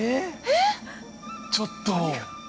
ちょっと。